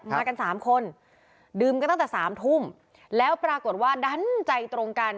มากันสามคนดื่มกันตั้งแต่สามทุ่มแล้วปรากฏว่าดันใจตรงกัน